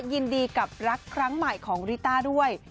ยินดีกับรักครั้งใหม่ของริต้าด้วย